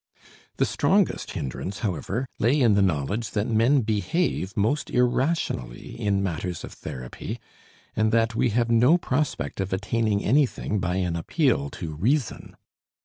The strongest hindrance, however, lay in the knowledge that men behave most irrationally in matters of therapy, and that we have no prospect of attaining anything by an appeal to reason.